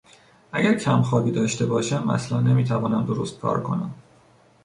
اگر کم خوابی داشته باشم اصلا نمیتوانم درست کار کنم.